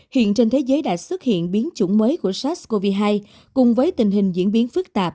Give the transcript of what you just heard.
hiện trên thế giới đã xuất hiện biến chủng mới của sars cov hai cùng với tình hình diễn biến phức tạp